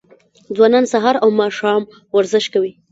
ځوانان سهار او ماښام ورزش کوي.